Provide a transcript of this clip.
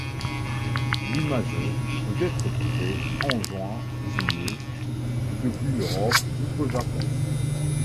L'imago peut être trouvé en juin-juillet depuis l'Europe jusqu'au Japon.